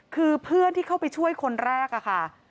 คือเพื่อนที่เข้าไปช่วยคนแรกค่ะ